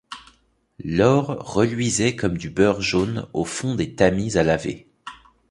L’or reluisait comme du beurre jaune au fond des tamis à laver.